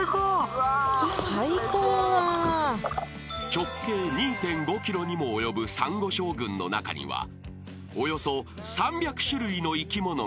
［直径２．５ｋｍにも及ぶサンゴ礁群の中にはおよそ３００種類の生き物が生息］